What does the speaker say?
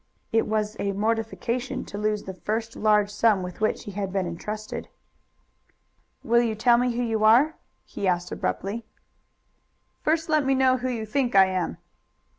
It was a mortification to lose the first large sum with which he had been intrusted. "Will you tell me who you are?" he asked abruptly. "First let me know who you think I am."